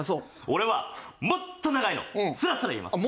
俺はもっと長いのスラスラ言えます。